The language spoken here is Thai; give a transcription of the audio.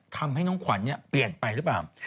ทำให้น้องขวัญเปลี่ยนไปหรือเปล่า